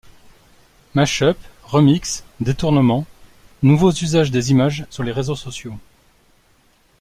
Mashup, remix, détournement: nouveaux usages des images sur les réseaux sociaux.